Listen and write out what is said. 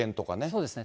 そうですね。